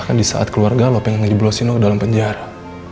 bahkan di saat keluarga lo pengen dibelosin lo ke dalam penjara